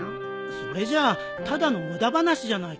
それじゃあただの無駄話じゃないか。